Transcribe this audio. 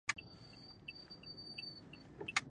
په ختیځه اروپا کې د خان رعیت نظام واکمن و.